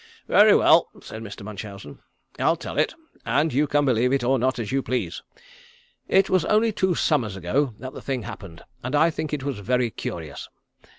"Very well," said Mr. Munchausen. "I'll tell it, and you can believe it or not, as you please. It was only two summers ago that the thing happened, and I think it was very curious.